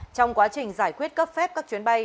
trong quá trình giải quyết cấp phép các chuyến bay